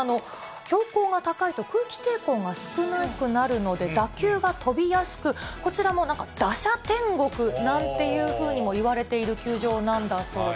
標高が高いと空気抵抗が少なくなるので、打球が飛びやすく、こちらも打者天国なんていうふうにもいわれている球場なんだそうで。